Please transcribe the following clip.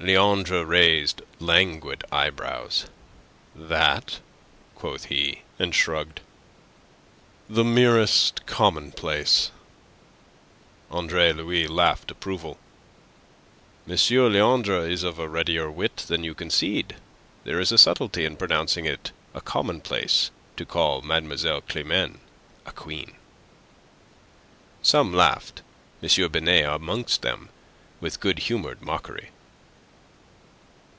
Leandre raised languid eyebrows. "That?" quoth he, and shrugged. "The merest commonplace." Andre Louis laughed approval. "M. Leandre is of a readier wit than you concede. There is subtlety in pronouncing it a commonplace to call Mlle. Climene a queen." Some laughed, M. Binet amongst them, with good humoured mockery.